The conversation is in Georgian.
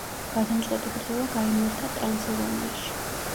გადამწყვეტი ბრძოლა გაიმართა ტრანსილვანიაში.